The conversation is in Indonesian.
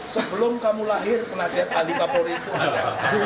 sebelum kamu lahir penasihat ahli kapolri itu ada